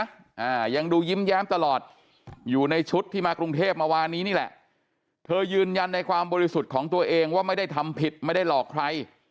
อ่ายังดูยิ้มแย้มตลอดอยู่ในชุดที่มากรุงเทพเมื่อวานนี้นี่แหละเธอยืนยันในความบริสุทธิ์ของตัวเองว่าไม่ได้ทำผิดไม่ได้หลอกใคร